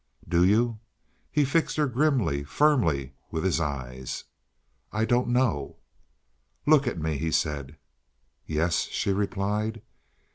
"Do you?" He fixed her grimly, firmly with his eyes. "I don't know." "Look at me," he said. "Yes," she replied.